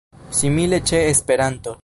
Simile ĉe Esperanto.